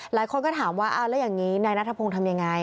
หลายคนก็ถามว่าเอาแล้วอย่างนี้นายนัทพงศ์ทำยังไง